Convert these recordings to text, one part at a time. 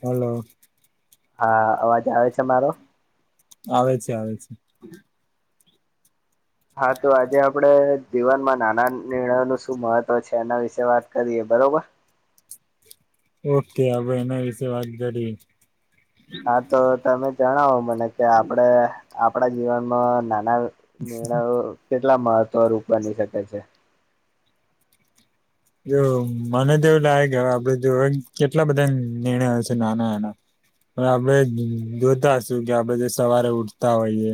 Hello. હા, અવાજ આવે છે, મારો. આવે છે આવે છે. હા, તો આજે આપડે જીવનમાં નાના નિર્ણયો નું શું મહત્વ છે એના વિશે વાત કરીએ, બરોબર. ઓકે હવે એના વિશે વાત કરીએ. હા, તો તમે જણાવો મને કે આપડે આપડા જીવનમાં નાના નિર્ણયો કેટલા મહત્વરૂપ બની શકે છે. જો મને તોવું લાગે કે હવે આપડે જો કેટલા બધા નિર્ણયો છે, નાના-નાના. પણ આપણે જોતાશું કે આપણે જે સવારે ઉઠતા હોઈએ.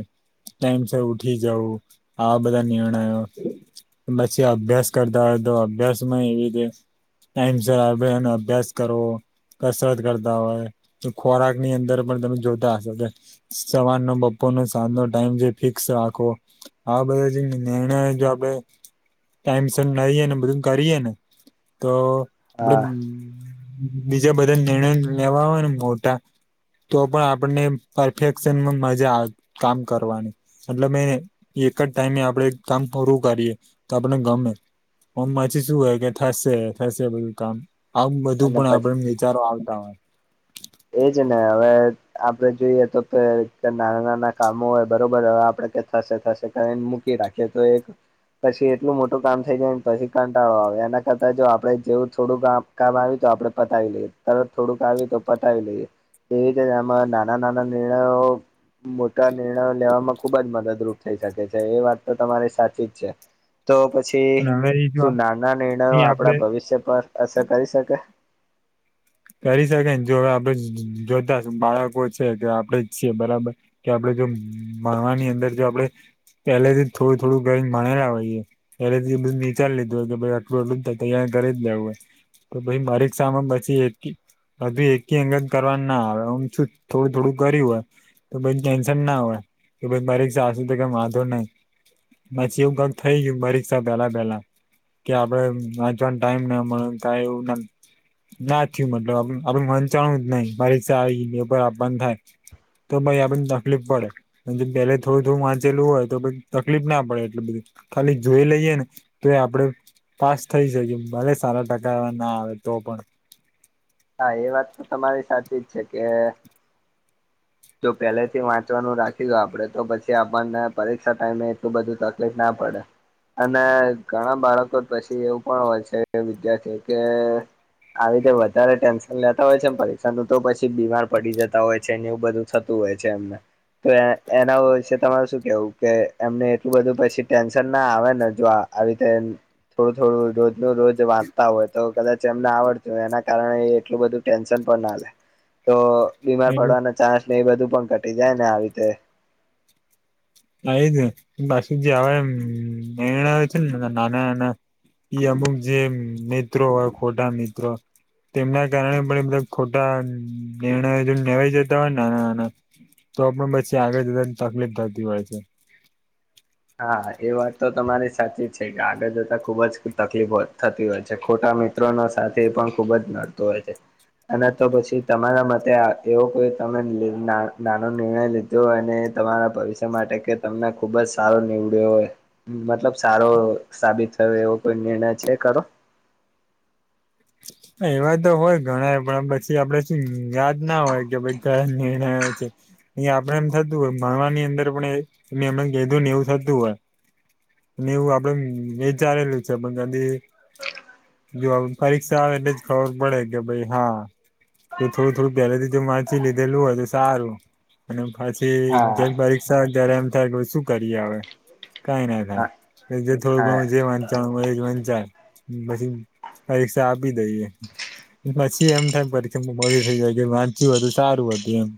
ટાઈમસર ઉઠી જવું આવા બધા નિર્ણયો. પછી અભ્યાસ કરતા હોય તો, અભ્યાસમાં એવી રીતે ટાઈમ સરનો અભ્યાસ કરો. કસરત કરતા હોય તો, ખોરાકની અંદર પણ તમે જોતા હશો. સવારનો-બપોરનો સાંજનો ટાઈમ જે ફિક્સ રાખો. હા, બધા જે નિર્ણય જો આપણે ટાઈમ ના ને બધું કરીએ ને તો આપડે હા બીજા બધા નિર્ણયો લેવા હોય ને મોટા. તો પણ આપણને પરફેક્શન મજા આવે કામ કરવાની. મતલબ એ એક જ ટાઈમે આપણેે કામ પૂરું કરીએ તો, આપણે ગમે હમ્મ, પછી શું હોય કે, થશે થશે, બધું કામ આવું બધું અને પણ પછી આપડે વિચારો આવતા હોય. એજ ને હવે આપડે જોઈએ તો કે નાના-નાના કામો હોય, બરોબર હવે આપડે થશે, થશે કઈ મૂકી રાખે તો એક પછી એટલું મોટું કામ થઈ જાયને, પછી કંટાળો આવે, એના કરતા જો આપણેે જેવું થોડું કામ કામ આવીયું તો, આપડે પતાવી લઈએ, તરત થોડુંક આવીયું તો. પતાવી લઈએ, એવી રીતે એમાં નાના-નાના નિર્ણયો મોટા નિર્ણયો લેવામાં ખુબ જ મદદરૂપ થઈ શકે, એ વાત તો તમારી સાચી છે. તો પછી અને હવે એ જો શું નાના નિર્ણયો આપડે આપણા ભવિષ્ય પર અસર કરી શકે. કરી શકેને, જો હવે આપણે જોતાશ બાળકો છે કે, આપણેે જ છીએ બરાબર. કે આપડે જો ભણવાની અંદર જો આપડે પહેલેથી થોડું-થોડું ગઈ ભણેલા હોઈએ. ત્યારેથી બધ વિચારી લીધું હોય કે, ભાઈ આટલું જ થાય, તૈયારી જેવું હોય. તો ભાઈ મારી સામે બચી. હજુ એકી અંગત કરવાનું ના આવે, હમ શું થોડું થોડું કર્યું હોય. તો ટેન્શન ના હોય કે, બરેક સાસ કઈ વાંધો નહી. માછી એવું થઈ ગયું, બરીકક્ષા પેલા પહેલા કે આપડે નાચવાનું ટાઈમ ના મળે ક એવું ના. મતલબ, આપડે મન ચણવું જ નહી મારીર આપન થાય. તો ભાઈ આપને તકલીફ પડે. પેલે થોડું-થોડું વાંચેલું હોય તો, તકલીફ ના પડે, એટલે બધી ખાલી જોઈ લઈએ ને. તો એ આપડે પાસ થઈ શકી, ભલે સારા ટકાવા ના આવે તો પણ. હા, એ વાત તો તમારી સાચી જ છે કે. જો પહેલેથી વાંચવાનું રાખી દે, આપડે તો પછી આપણને પરીક્ષા ટાઈમે એટલું બધું તકલીફ ના પડે. અને ઘણા બાળકો પછી એવું પણ હોય છે, વિદ્યાર્થી કે આવી રીતે વધારે ટેન્શન લેતા હોય છે, પરીક્ષા તો પછી બીમાર પડી જતા હોય છે ને, એવું બધું. થતું હોય છે, એમને. તો એ એના વિશે તમારે શું કેવું કે, એમને એટલું બધું પછી ટેન્શન ના આવે ને જો આવી રીતે થોડું-થોડું રોજ ન રોજ વાંચતા હોય તો, કદાચ ને આવડતું, એના કારણે એટલું બધું ટેન્શન પણ ના લે તો બીમાર પણ પડવાનું. ચાન્સ ન એ બધું પણ ઘટી જાય ને આવી રીતે. એ જ પછી જે હવે મેણ આવે છે ને, નાના-નાના એ અમુક જે મિત્રો હોય, ખોટા મિત્રો તેમના કારણે પણ ખોટા નિર્ણય લેવાઈ જતા હોય, નાના-નાના. તો પણ પછી આગળ જતાની તકલીફ થતી હોય છે. હા, એ વાત તો તમારી સાચી જ છે કે, આગળ જતા ખુબ જ તકલીફો થતી હોય છે, ખોટા મીઠ મિત સાથે એ પણ ખુબ જ નડતો હોય છે. અને તો પછી તમારા મતે એવો કોઈ તમે નાનો નિર્ણય લીધો. તો અને તમારા ભવિષ્ય માટે કે તમને ખુબ જ સારો નીવડ્યો હોય મતલબ સારો સાબિત થયો એવો કોઈ નિર્ણય છે ખરો. એવા તો હોય ઘણાય પણ પછી આપડે છે યાદ ના હોય કે ભઈ કયા નિર્ણયો છે. અહી આપડે એમ થતું હોય ભણવાની અંદર પણ એ [unintelligible] ને એવું થતું હોય. ને એવું આપડે વિચારેલું છે પણ કદી જો અવે પરીક્ષા આવે એટલે જ ખબર પડે કે ભઈ હા. જો થોડું થોડું પહેલેથી જો વાંચી લીધેલું હોય તો સારું અને પછી હા જેમ પરીક્ષા આવે ત્યારે એમ થાય શું કરીએ હવે કાંઈ નઈ થાય. હા એ જે થોડુ હા ઘણુ જે વાંચ ચાણુ હોય એ જ વંચાય પછી પરીક્ષા આપી દઈએ. પછી એમ થાય કે [unintelligible] મોરી થઈ જાય કે વાંચ્યું હતું સારું હતું એમ.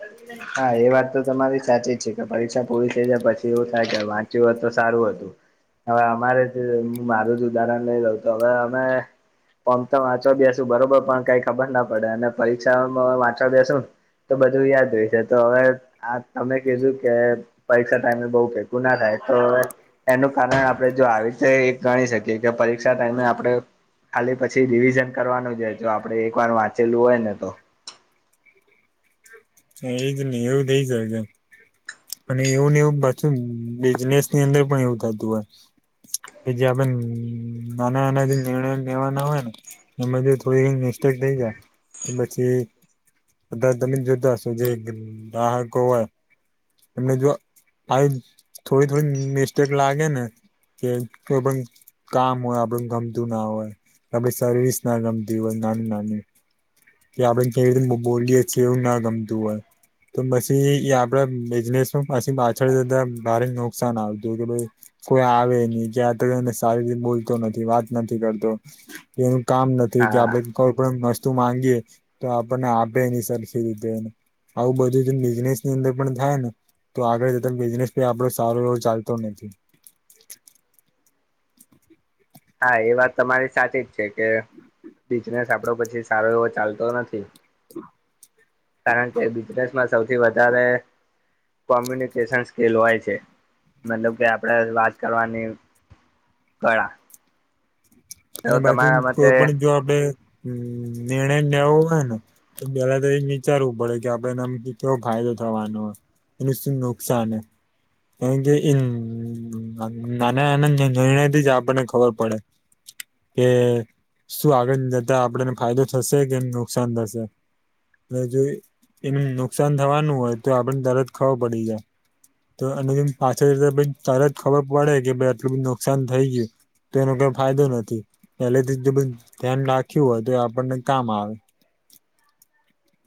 [unintelligible] હા એ વાત તો તમારી સાચી જ છે કે પરીક્ષા પૂરી થઈ જાય પછી એવું થાય કે વાંચ્યું હોય તો સારું હતું. હવે અમારે જ હું મારું જ ઉદાહરણ લઈ લઉં તો હવે અમે ઓમ તો વાંચવા બેસુ બરોબર પણ કંઈ ખબર ના પડે અને પરીક્ષામાં વાંચવા બેસુ તો બધું યાદ રઈ જાત. તો હવે આ તમે કીધું કે પરીક્ષા ટાઈમે બઉ ભેગુ ના થાય તો હવે એનું કારણ આપણે જો આવી રીતે એ ગણી શકીએ કે પરીક્ષા ટાઈમે આપડે ખાલી પછી રિવિઝન કરવાનું જ હોય જો આપડે એક વાર વાંચેલું હોય ને તો એજ ને એવું [unintelligible] અને એવું ને એવું પાછું બિઝનેસની અંદર પણ એવું થતું હોય. કે જે આપણે નાના નાના જે નિર્ણયો લેવાના હોય ને એમાં જે થોડી મિસ્ટેક થઈ જાય તો પછી બધા તમે જોતા હશો જે ગ્રાહકો હોય એમને જો આવી થોડી થોડી મિસ્ટેક લાગે ને કે કોઈ પન કામ હોય આપડને ગમતું ના હોય આપડી સર્વિસ ના ગમતી હોય નાની નાની કે આપડે કેવી રીતે બોલીએ છીએ એવું ના ગમતું હોય તો પછી એ આપડે બિઝનેસમાં પછી પાછળ જતા ભારે નુકસાન આવતું કે ભઈ કોઈ આવે નઈ ક્યાં તો એને સારી રીતે બોલતો નથી વાત નથી કરતો એનું કામ નથી કે હા આપડે કોઈ પણ વસ્તુ માંગીએ તો આપણને આપે નઈ સરખી રીતે એને આવું બધું જેમ બિઝનેસની અંદર પણ થાય ને તો આગળ જતા બિઝનેસ બી આપડો સારો એવો ચાલતો નથી. હા એ વાત તમારી સાચી જ છે કે બિઝનેસ આપડો પછી સારો એવો ચાલતો નથી. કારણ કે બિઝનેસમાં સૌથી વધારે કોમ્યુનિકેશન્સ સ્કિલ હોય છે મતલબ કે આપડે વાત કરવાની કળા અને તો પાછુ તમારા મતે કોઈ પણ જો આપડે નિર્ણય લેવો હોય ને તો પેલા તો એ જ વિચારવું પડે કે આપડે એનામથી કેવો ફાયદો થવાનો હે એનું શું નુકસાન હે કારણ કે એ નાના નાના નિ નિર્ણયથી જ આપણને ખબર પડે કે શું આગળ જતા આપડાને ફાયદો થશે કે નુકસાન થશે. તો જો એન નુકસાન થવાનું હોય તો આપડને તરત ખબર પડી જાય. તો એને એમ પાછળ [unintelligible] તરત ખબર પડે કે ભઈ આટલું બધુ નુકસાન થયુ છે તો એનો કોઈ ફાયદો નથી પહેલે થી જો બધુ ધ્યાન રાખ્યું હોય તો એ આપણને કામ આવે.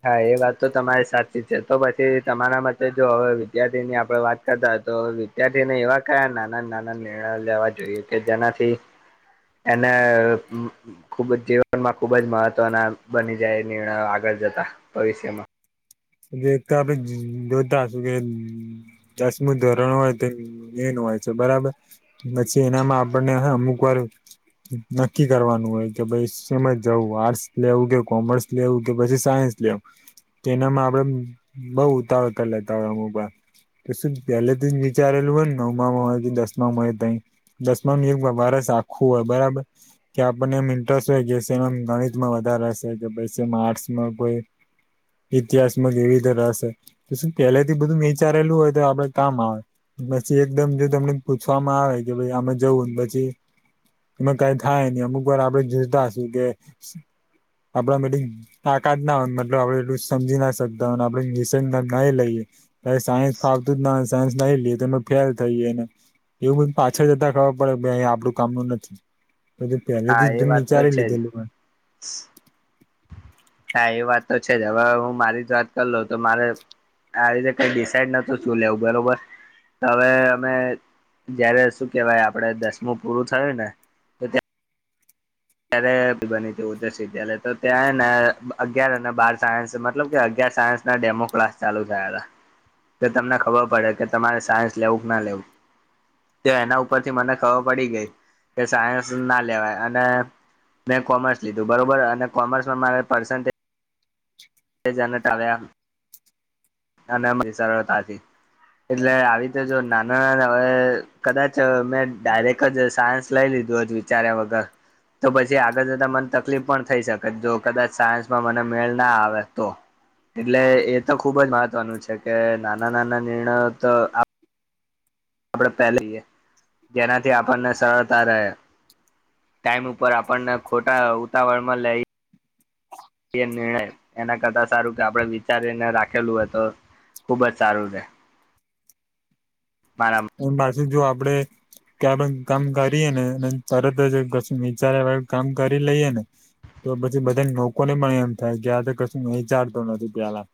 હા એ વાત તો તમારી સાચી છે. તો પછી તમારા મતે જો હવે વિદ્યાર્થીની આપણે વાત કરતા હોય તો વિ દ્યાર્થીને એવા કયા નાના નાના નિર્ણયો લેવા જોઈએ કે જેનાથી એને અહમ અ ખુબ જ જીવનમાં ખુબ જ મહત્વના બની જાય એ નિર્ણયો આગળ જતા ભવિષ્યમાં. જે એક તો આપણે જોતા હસુ કે દસમું ધોરણ હોય તો મેઇન હોય છે બરાબર. પછી એનામાં આપણને અમુક વાર નક્કી કરવાનું હોય કે પહી સેમાં જવું આર્ટસ લેવું કે, કોમર્સ લેવું કે પછી સાયન્સ લેવું તો એનામાં બઉ ઉતાવળ કરી લેતા હોય અમુક વાર. તો શું પહેલેથી જ વિચારેલું હોયને નવમામાં હોય કે દસમામાં હોય તઈ દસમાનું એક વ વર્ષ આખું હોય બરાબર. કે આપણને એમ ઇન્ટરેસ્ટ હોય કે સેમામ ગણિતમાં વધારે હશે કે પછી મા આર્ટસમાં કોઈ ઇતિહાસમાં એવી રીતે રહેશે તો શું પહેલા થી બધું વિચારેલું હોય તો આપડે કામ આવે. પછી એકદમ જો તમને પૂછવામાં આવે કે ભાઈ આમા જવું ને પછી એમાં કંઈ થાય નહી અમુક વાર આપણે જોઈતા હશું કે આપડા માં એટલી તાકાત ના હોય મતલબ આપડે એટલું સમજી ના શકતા અને આપણે નિષન ના એ લઈએ. હવે સાયન્સ ફાવતું જ ના હોય ન સાયન્સ લઈ લઈએ તો એમા ફેલ થઈએ ને એવું બધ પાછળ જતા ખબર અહી આપણું કામનું નથી. એટલે હા પેલેથી જ એ [unintelligible] વાત તો વિચારીન છે જ લીધેલું હોય. [unintelligible] હા એ વાત તો છે જ હવે હું મારી જ વાત કર લઉ તો મારે આવી રીતે કઈ ડિસાઇડ નતું થયું લેવું બરોબર. તો હવે અમે જયારે શું કેવાય આપડે દસમું પૂરું થયુંને ત્યારે [unintelligible] બનીતી ઓજશ વિદ્યાલય તો ત્યાંને અગિયાર અને બાર સાયન્સ મતલબ કે અગિયાર સાયન્સ ના ડેમો ક્લાસ ચાલુ થયા હતા. કે તમને ખબર પડે કે તમારે સાયન્સ લેવું ક ના લેવું. તો એના ઉપરથી મને ખબર પડી ગઈ કે સાયન્સ ના લેવાય અને મેં કોમર્સ લીધું બરોબર અને કોમર્સમાં મારે પર્સન્ટે તે જનટ આવ્યા. અનેમ [unintelligible] સરળતાથી. એટલે આવી રીતેજો નાના હવે કદાચ મેં ડાયરેક જ સાયન્સ લઈ લીધું હોત વિચાર્યા વગર તો પછી આગળ જતા મન તકલીફ પણ થઈ શકત જો કદાચ સાયન્સમાં મને મેળ ના આવે તો. એટલે એતો ખુબ જ મહત્વનું છે કે નાના નાના નિર્ણયો તો આ પડે પેલીએ જેનાથી આપણને સરળતા રહે. ટાઈમ ઉપર આપણને ખોટા ઉતાવળમાં લઈ એ નિર્ણય એના કરતા સારું કે આપડે વિચારીને રાખેલું હોય તો ખુબ જ સારું રે. મારા અન પાસું જો આપડે કે આપણે કામ કરીએને અને તરત જ કશું વિચારીયા વગર કામ કરી લઈએ ને તો પછી બધાન લોકોને પણ એમ થાય કે આતે કશું વિચારતો નથી પેલા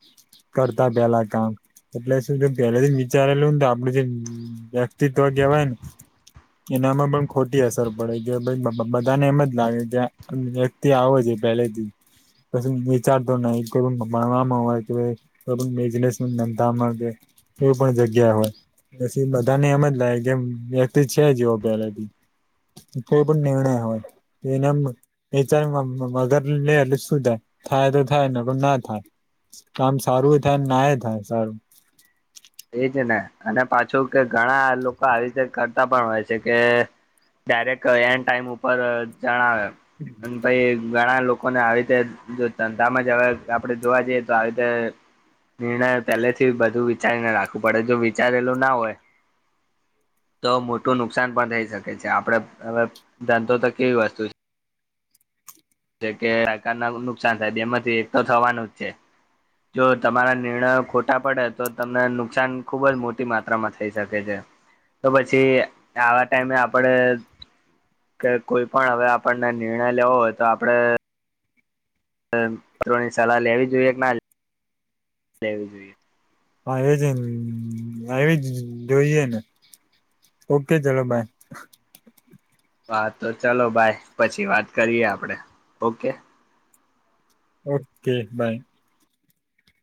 કરતા પેલા કામ એટલે શું છે પેલાથીન વિચારેલુંને તો આપડું જે વ્યક્તિત્વ કેવાયને એનામાં પણ ખોટી અસર પડે કે ભય બબ બધાને એમ જ લાગે કે જે તે આવો છે પહેલેથી પછી વિચારતો નઈ કે ભણવામાં હોય કે બિઝનેસ ધંધામાંકે કોઈ પણ જગ્યા એ હોય તે બધાને એમ જ લાગે કેમ વેત છે જેવો પેલાથી કોઈ પણ નિર્ણય હોય એનામ વિચાર્યા વગર લેઇ એટલે શું થાય ફાયદો થાય નકર ના થાય કામ સારું ઈ થાય ના એ થાય સારું એજ ને અને પાછું કે ઘણા લોકો આવી રીતે કરતા પણ હોય છે કે ડાયરેક્ટ એન્ડ ટાઈમ ઉપર જણાવે અને પછી ઘણા લોકોને આવી રીતે જો ધંધામાં જ હવે આપણેે જોવા જઈએ તો આવી રીતે નિર્ણય પેલેથી બધું વિચારીને રાખવું પડે જો વિચારેલું ના હોય તો મોટું નુકસાન પણ થઈ શકે છે આપળે હવે ધંધોતો કેવી વસ્તુ છે જે કે અત્યારના નુકસાન થાય બે માંથી એક તો થવાનું જ છે જો તમારા નિર્ણયો ખોટા પડે તો તમને નુકસાન ખુબ જ મોટી માત્રામાં થઈ શકે છે. તો પછી આવા ટાઈમે આપડે કે કોઈ પણ હવે આપણને નિર્ણય લેવો હોય તો આપડે કોઈની સલાહ લેવી જોઈએ કે ના લેવી જોઈએ હા ઈજ લેવી જ જોઈએ ને ઓકે ચલો બાય હા તો ચાલો બાઈ પછી વાત કરીએ આપડે ઓકે ઓકે બાય